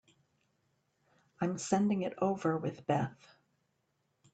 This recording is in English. I'm sending it over with Beth.